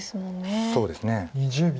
そうですね。